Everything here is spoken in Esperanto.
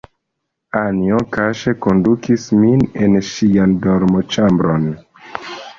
Anjo kaŝe kondukis min en ŝian dormoĉambron.